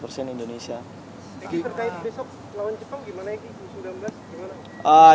jadi terkait besok lawan jepang gimana ya